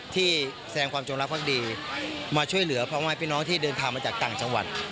ที่แสดงความจงรักมากดีมาช่วยเหลือเพราะว่าเป็นน้องที่เดินทางมาจากต่างจังหวัด